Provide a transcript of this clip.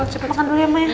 cepet makan dulu ya maya